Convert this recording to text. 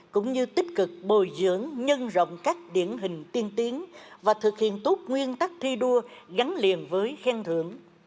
cũng như tích cực bồi dưỡng nhân rộng các điển hình tiên tiến và thực hiện tốt nguyên tắc thi đua gắn liền với khen thưởng